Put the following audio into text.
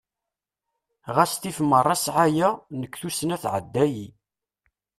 Ɣas tif meṛṛa sɛaya, nekk tussna tɛedda-yi.